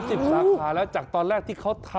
สาขาแล้วจากตอนแรกที่เขาทำ